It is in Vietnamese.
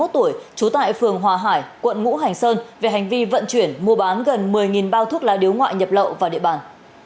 ba mươi một tuổi trú tại phường hòa hải quận ngũ hành sơn về hành vi vận chuyển mua bán gần một mươi bao thuốc lá điếu ngoại nhập lậu vào địa bàn